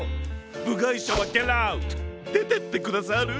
ぶがいしゃはゲットアウト！でてってくださる？